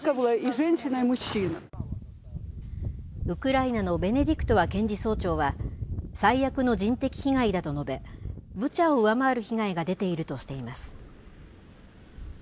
ウクライナのベネディクトワ検事総長は、最悪の人的被害だと述べ、ブチャを上回る被害が出ているとしています。